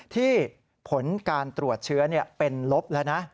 ที่ผลการตรวจเชื้อเป็นลบแล้วนะ